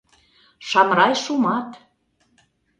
— Шамрай Шумат...